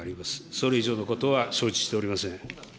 それ以上のことは承知しておりません。